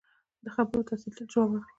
د خبرو تاثیر تل ژور وي